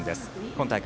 今大会